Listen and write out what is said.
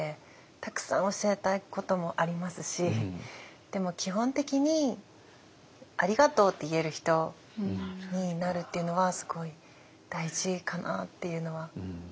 たくさん教えたいこともありますしでも基本的に「ありがとう」って言える人になるっていうのはすごい大事かなっていうのは思ってます。